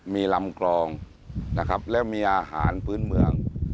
มีลำกรองนะครับแล้วมีอาหารพื้นเมือง